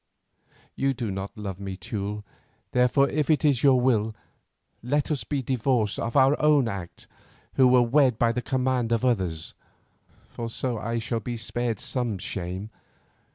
You do not love me, Teule, therefore, if it is your will, let us be divorced of our own act who were wed by the command of others, for so I shall be spared some shame.